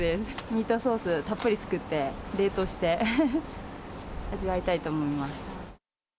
ミートソースたっぷり作って、冷凍して、味わいたいと思います。